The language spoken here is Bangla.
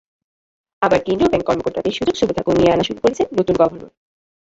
আবার কেন্দ্রীয় ব্যাংক কর্মকর্তাদের সুযোগ-সুবিধা কমিয়ে আনা শুরু করেছেন নতুন গভর্নর।